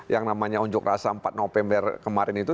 yang namanya unjuk rasa empat november kemarin itu